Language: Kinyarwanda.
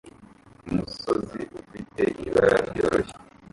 Umusozi ufite ibara ryoroshye